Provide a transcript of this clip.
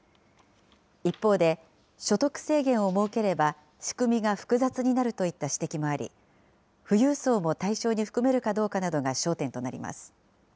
一方で、所得制限を設ければ仕組みが複雑になるといった指摘もあり、富裕層も対象に含めるかどうかなどが焦点となります。